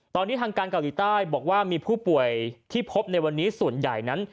ตอนนี้ทางการเกาหลีใต้บอกว่ามีผู้ป่วยที่พบในวันนี้ส่วนใหญ่นั้น